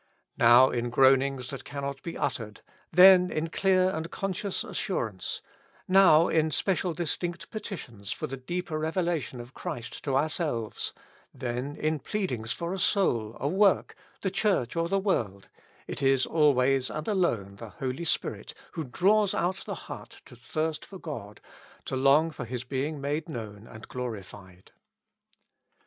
Now in groanings that cannot be uttered, then in clear and conscious assurance ; now in special distinct petitions for the deeper re\^elation of Christ to ourselves, then in pleadings for a soul, a work, the Church or the world, it is always and alone the Holy Spirit who draws out the heart to thirst for God, to long for His being made known and glorified.